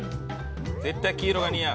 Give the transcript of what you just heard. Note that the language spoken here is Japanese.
絶対黄色が似合う。